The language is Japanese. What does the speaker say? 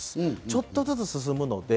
ちょっとずつ進むので。